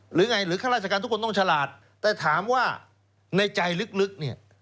หรือไงหรือข้าราชการทุกคนต้องฉลาดแต่ถามว่าในใจลึกเนี่ย